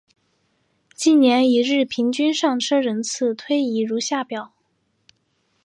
近年一日平均上车人次推移如下表。